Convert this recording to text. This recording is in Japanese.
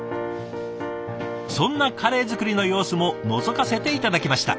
そんなカレー作りの様子ものぞかせて頂きました。